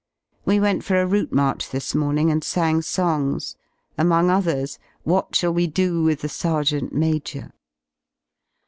We went for a route march this morning and sang songs, among others "What shall we do with the Sergeant Major?"